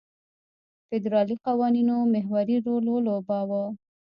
فدرالي قوانینو محوري رول ولوباوه.